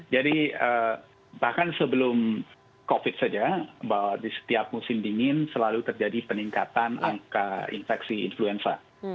jadi bahkan sebelum covid saja bahwa di setiap musim dingin selalu terjadi peningkatan angka infeksi influenza